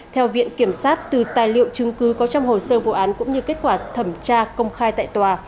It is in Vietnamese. theo viện kiểm sát từ tài liệu chứng cứ có trong hồ sơ vụ án cũng như kết quả thẩm tra công khai tại tòa